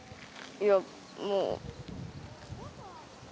いやもう。